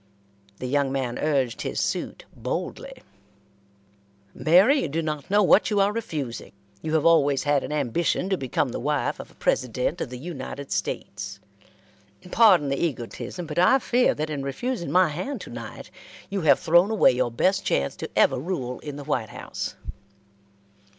The young man urged his suit boldly: "Mary, you do not know what you are refusing. You have always had an ambition to become the wife of a President of the United States. Pardon the egotism, but I fear that in refusing my hand to night you have thrown away your best chance to ever rule in the White House."